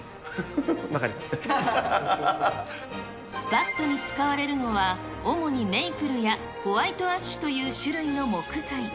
バットに使われるのは主にメイプルやホワイトアッシュという種類の木材。